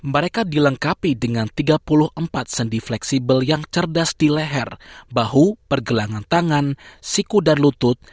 mereka dilengkapi dengan tiga puluh empat sendi fleksibel yang cerdas di leher bahu pergelangan tangan siku dan lutut